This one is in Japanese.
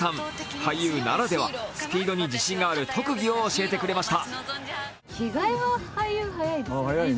俳優ならではのスピードに自信がある特技を教えてくれました。